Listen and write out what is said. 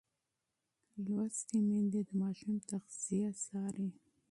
ښوونځې تللې مور د ماشوم تغذیه څاري.